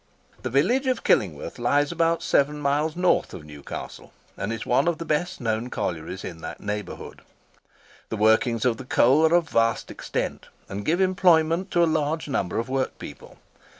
The village of Killingworth lies about seven miles north of Newcastle, and is one of the best known collieries in that neighbourhood. The workings of the coal are of vast extent, and give employment to a large number of work people.